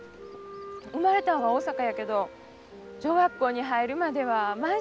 生まれたんは大阪やけど小学校に入るまでは満州におったんや。